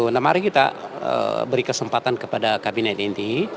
nah mari kita beri kesempatan kepada kabinet ini